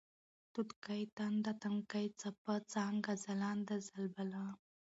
توتکۍ ، تانده ، تنکۍ ، څپه ، څانگه ، ځلانده ، ځلبله